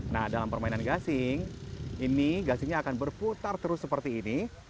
nah dalam permainan gasing ini gasingnya akan berputar terus seperti ini